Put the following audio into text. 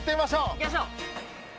行きましょう！